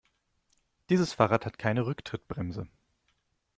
Dieses Fahrrad hat keine Rücktrittbremse.